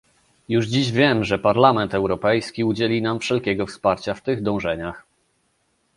Już dziś wiem, że Parlament Europejski udzieli nam wszelkiego wsparcia w tych dążeniach